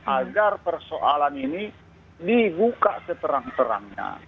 agar persoalan ini dibuka seterang terangnya